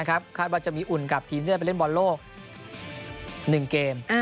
คาดว่าจะมีอุ่นกับทีมที่จะไปเล่นบอลโลก๑เกม